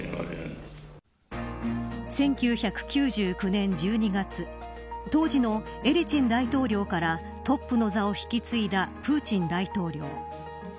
１９９９年１２月当時のエリツィン大統領からトップの座を引き継いだプーチン大統領。